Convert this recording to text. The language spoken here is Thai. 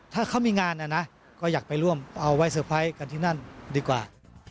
ถ้าเขามีงานนะนะก็อยากไปร่วมเอาไว้เซอร์ไพรส์กันที่นั่นดีกว่า